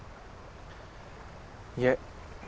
いえ。